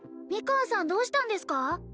ミカンさんどうしたんですか？